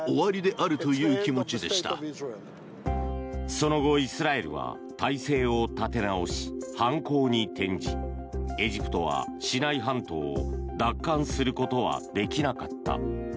その後、イスラエルは態勢を立て直し、反攻に転じエジプトはシナイ半島を奪還することはできなかった。